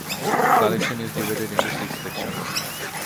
The collection is divided into six sections.